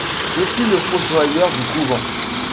Je suis le fossoyeur du couvent.